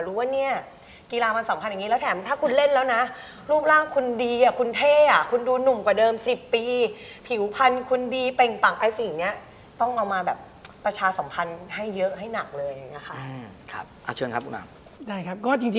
รู้ว่าเนี่ยกีฬามันสำคัญอย่างนี้แล้วแถมถ้าคุณเล่นแล้วนะ